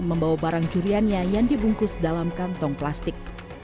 membawa barang curiannya yang dibungkus dalam kantong plastik